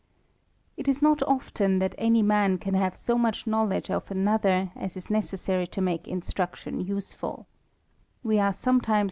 Itjsjiotoften that any man can have so much knowledge o f anothe r, as is nece^ary to nia'Re instruction useruT T We~ _ are someHiaes.